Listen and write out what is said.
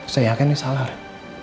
saya yakin ini salah